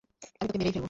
আমি তোকে মেরেই ফেলব।